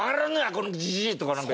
このじじい！」とかなんか。